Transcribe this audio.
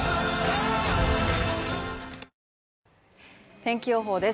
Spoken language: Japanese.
天気予報です。